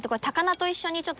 高菜と一緒に。